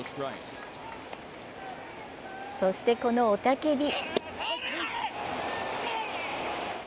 そして、この雄たけび。